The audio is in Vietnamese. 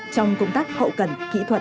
trong công tác hậu cần kỹ thuật